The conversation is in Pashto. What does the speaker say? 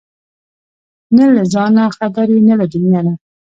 نه له ځانه خبر وي نه له دنيا نه!